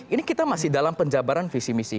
ini kita masih dalam penjabaran visi misi